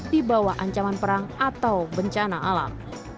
di bawah ancaman perang atau bencana alam